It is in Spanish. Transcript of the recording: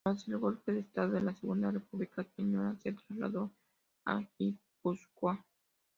Tras el golpe de Estado a la Segunda República Española se trasladó a Guipúzcoa.